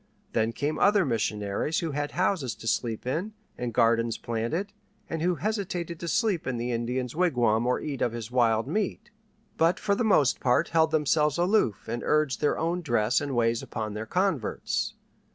Then came other missionaries who had houses to sleep in, and gardens planted, and who hesitated to sleep in the Indian's wigwam or eat of his wild meat, but for the most part held themselves aloof and urged their own dress and ways upon their converts.